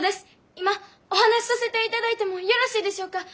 今お話しさせていただいてもよろしいでしょうか。